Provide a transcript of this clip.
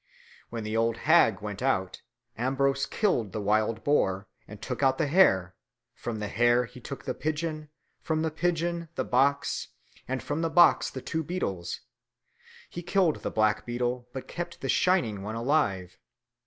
When the old hag went out, Ambrose killed the wild boar, and took out the hare; from the hare he took the pigeon, from the pigeon the box, and from the box the two beetles; he killed the black beetle, but kept the shining one alive.